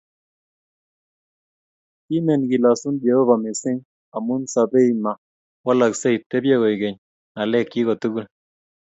Kimen Kilosun, Jehovah, mising' amun sabeiMa walaksei; tebyei koigeny.ng'alekyik kotugul,